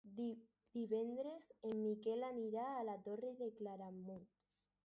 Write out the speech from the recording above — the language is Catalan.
Divendres en Miquel anirà a la Torre de Claramunt.